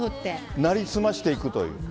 成り済ましていくという。